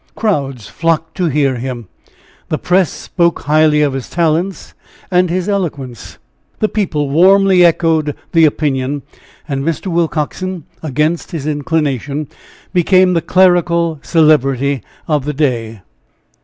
Crowds flocked to hear him, the press spoke highly of his talents and his eloquence, the people warmly echoed the opinion, and Mr. Willcoxen, against his inclination, became the clerical celebrity of the day.